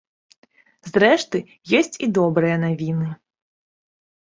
Зрэшты, ёсць і добрыя навіны.